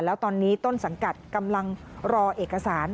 แล้วตอนนี้ต้นสังกัดกำลังรอเอกสาร